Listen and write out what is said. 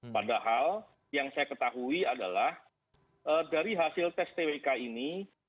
padahal yang saya ketahui adalah dari hasil tes twk ini